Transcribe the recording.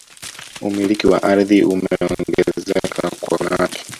umiliki wa ardhi umeongezeka kwa wanawake